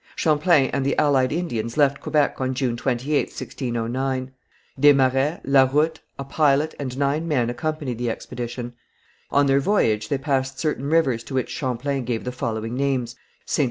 Champlain and the allied Indians left Quebec on June 28th, 1609. Des Marets, La Routte, a pilot, and nine men accompanied the expedition. On their voyage they passed certain rivers to which Champlain gave the following names, Ste.